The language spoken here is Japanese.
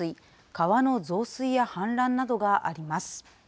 川の増水や氾濫などがあります。